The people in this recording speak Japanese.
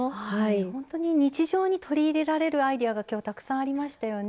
本当に日常に取り入れられるアイデアが、きょうはたくさんありましたよね。